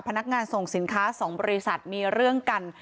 พนักงานส่งสินค้า๒บริษัทมีเรื่องกัน